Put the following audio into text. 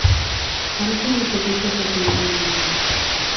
A veces las ofertas se hacían con dinero.